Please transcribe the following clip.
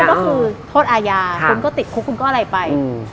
ก็คือโทษอาญาคุณก็ติดคุกคุณก็อะไรไป